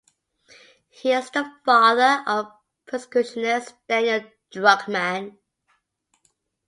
He is the father of percussionist Daniel Druckman.